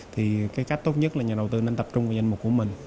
thì cái cách tốt nhất là nhà đầu tư nên tập trung vào danh mục của mình